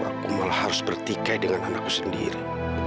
aku malah harus bertikai dengan anakku sendiri